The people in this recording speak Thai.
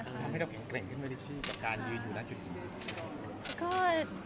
ทำให้เราแข็งแกร่งขึ้นไว้ที่การดูละจุดที่นี่